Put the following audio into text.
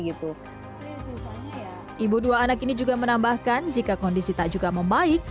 ibu dua anak ini juga menambahkan jika kondisi tak juga membaik